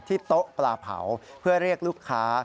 โต๊ะปลาเผาเพื่อเรียกลูกค้า